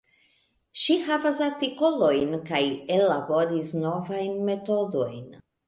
Ŝi havas artikolojn, kaj ellaboris novajn metodojn.